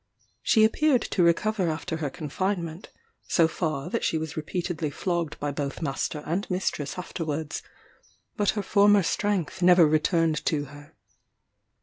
She appeared to recover after her confinement, so far that she was repeatedly flogged by both master and mistress afterwards; but her former strength never returned to her.